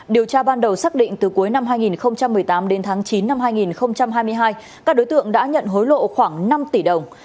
điều tra ban đầu xác định từ cuối năm hai nghìn một mươi tám đến tháng chín năm hai nghìn hai mươi hai các đối tượng đã nhận hối lộ khoảng năm tỷ đồng